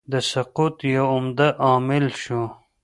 د سقوط یو عمده عامل شو.